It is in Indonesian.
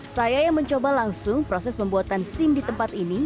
saya yang mencoba langsung proses pembuatan sim di tempat ini